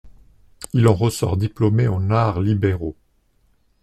Il en ressort diplômé en arts libéraux.